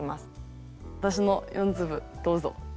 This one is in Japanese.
私の４粒どうぞ。